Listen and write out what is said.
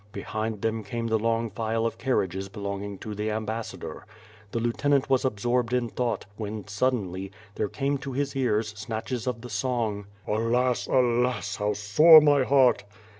Behind them came the long file of carriages belonging to the ambassador. The lieutenant was absorbed in thought, when, suddenly, there came to his ears snatches of the song: Alas ! Alas I how sore my heart."